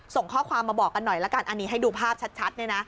ส่งข้อความมาบอกกันหน่อยละกันอันนี้ให้ดูภาพชัดเนี่ยนะ